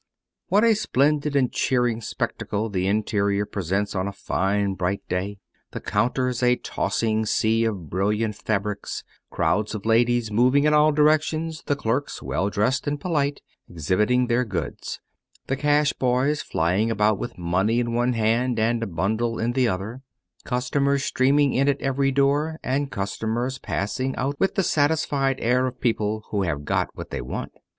What a splendid and cheering spectacle the interior presents on a fine, bright day! The counters a tossing sea of brilliant fabrics; crowds of ladies moving in all directions; the clerks, well dressed and polite, exhibiting their goods; the cash boys flying about with money in one hand and a bundle in the other; customers streaming in at every door; and customers passing out, with the satisfied air of people who have got what they want.